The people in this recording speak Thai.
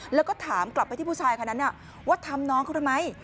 แล้วก็ถามกลับไปที่ผู้ชายคนนั้นว่าทำน้องเขาทำไม